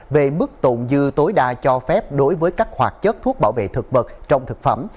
về mức tổn dư tối đa cho phép đối với các hoạt chất thuốc bảo vệ thực vật trong thực phẩm